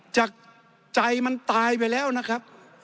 จากใจมันตายไปแล้วนะครับ